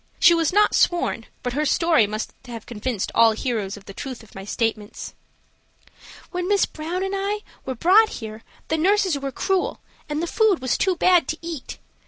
She was not sworn, but her story must have convinced all hearers of the truth of my statements. "When Miss Brown and I were brought here the nurses were cruel and the food was too bad to eat.